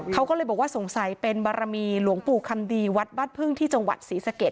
เขาก็เลยบอกว่าสงสัยเป็นบารมีหลวงปู่คำดีวัดบ้านพึ่งที่จังหวัดศรีสะเกด